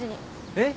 えっ！？